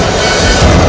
itu udah gila